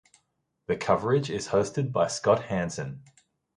The coverage is hosted by Scott Hanson.